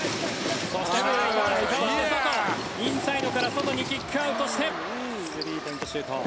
インサイドから外にキックアウトしてスリーポイントシュート。